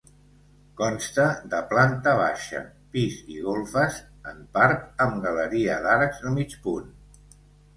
Consta de planta baixa, pis i golfes, en part amb galeria d'arcs de mig punt.